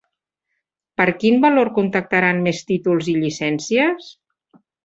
Per quin valor contractaran més títols i llicencies?